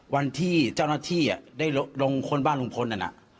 วันที่เจ้าหน้าที่ได้ลงคนบ้านลุงพลนั่นน่ะ